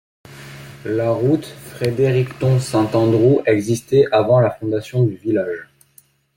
La route Fredericton-Saint-Andrews existait avant la fondation du village.